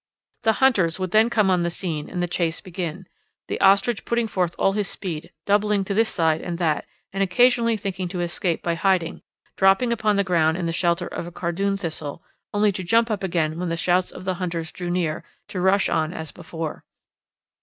The hunters would then come on the scene and the chase begin, the ostrich putting forth all his speed, doubling to this side and that, and occasionally thinking to escape by hiding, dropping upon the ground in the shelter of a cardoon thistle, only to jump up again when the shouts of the hunters drew near, to rush on as before.